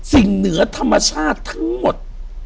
เหนือธรรมชาติทั้งหมด